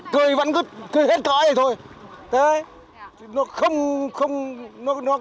cười vẫn cứ hết khỏi thôi